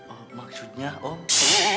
oh maksudnya om